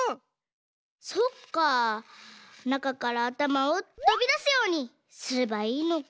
そっかなかからあたまをとびだすようにすればいいのか。